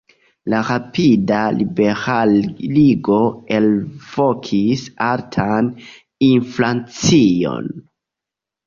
La rapida liberaligo elvokis altan inflacion.